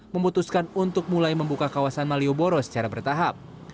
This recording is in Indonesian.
memutuskan untuk mulai membuka kawasan malioboro secara bertahap